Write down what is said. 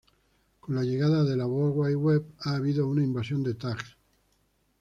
Con la llegada de la "World Wide Web" ha habido una invasión de "tags".